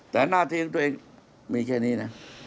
แต่หน้าที่ของตัวเองมีแค่นี้นะ